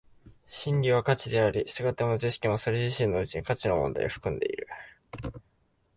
真理は価値であり、従って知識もそれ自身のうちに価値の問題を含んでいる。